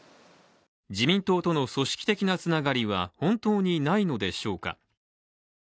自民党との組織的なつながりは本当にないのでしょうか。